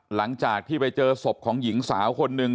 หลังจากที่ไปเจอศพของหญิงสาวคนหนึ่ง